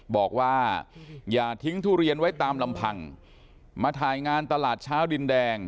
บอกว่าอย่าทิ้งทุเรียนไว้ตามลำพังมาถ่ายงานตลาดเช้าดินแดง